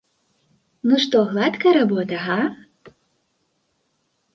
Ну што, гладкая работа, га?